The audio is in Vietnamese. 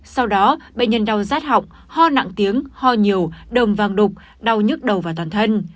sau đó bệnh nhân đau rát họng ho nặng tiếng ho nhiều đồng vàng đục đau nhức đầu vào toàn thân